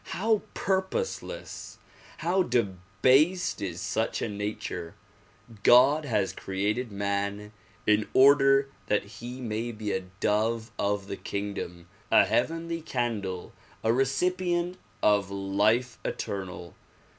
How purpose less ! How debased is such a nature ! God has created man in order that he may be a dove of the kingdom, a heavenly candle, a recipient of life eternal.